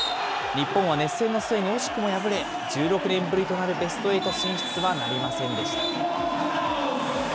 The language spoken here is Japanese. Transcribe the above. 日本は熱戦の末に惜しくも敗れ、１６年ぶりとなるベストエイト進出はなりませんでした。